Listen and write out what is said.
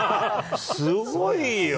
すごいよ。